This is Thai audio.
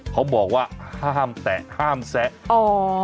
เขาบอกว่าห้ามแตะห้ามแซะ